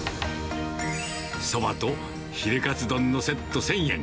そばとヒレかつ丼のセット１０００円。